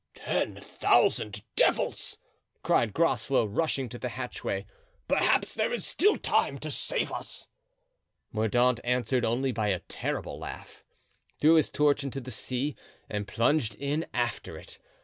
"Ten thousand devils!" cried Groslow, rushing to the hatchway; "perhaps there is still time to save us." Mordaunt answered only by a terrible laugh, threw his torch into the sea and plunged in after it.